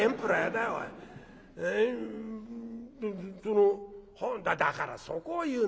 「だからそこを言うんだよ。